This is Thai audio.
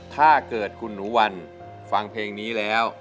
ถ้าเกิดคุณหนูวันฟังเพลงนี้แล้ว